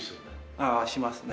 ああしますね。